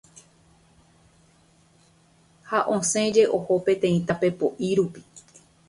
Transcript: ha osẽje oho peteĩ tapepo'i rupi